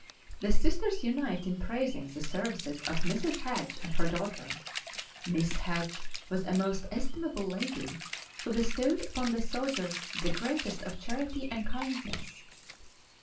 The Sisters unite in praising the services of Mrs. Hatch and her daughter. Miss Hatch was a most estimable lady, who bestowed upon the soldiers the greatest of charity and kindness.